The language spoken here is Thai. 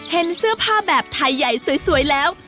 เห็นเสื้อผ้าแบบไทยใหญ่สวยแล้ว